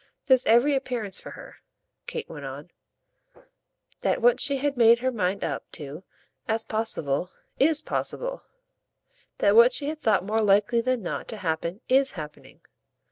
There's every appearance for her," Kate went on, "that what she had made her mind up to as possible IS possible; that what she had thought more likely than not to happen IS happening.